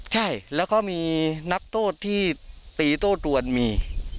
ใช่แล้วก็มีนักโทษที่ตีโต้ตวนมี